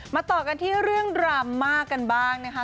ต่อกันที่เรื่องดราม่ากันบ้างนะคะ